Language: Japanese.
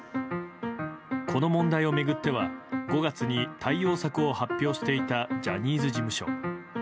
この問題を巡っては５月に対応策を発表していたジャニーズ事務所。